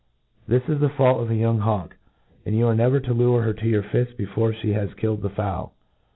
This is the fault of a young hawk j and yon are never to lure her to your fift before flic has kiBed the fowl.